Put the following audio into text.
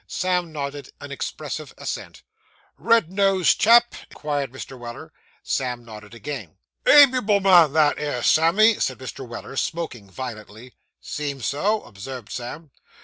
Sam nodded an expressive assent. 'Red nosed chap?' inquired Mr. Weller. Sam nodded again. 'Amiable man that 'ere, Sammy,' said Mr. Weller, smoking violently. 'Seems so,' observed Sam.